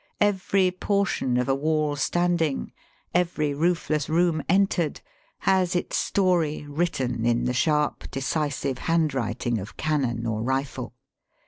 Every portion of a waU standing, every roof less room entered, has its story, written in the sharp, decisive handwriting of cannon or rifle.